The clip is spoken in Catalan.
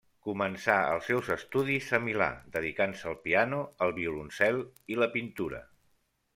Començà els seus estudis a Milà, dedicant-se al piano, el violoncel i la pintura.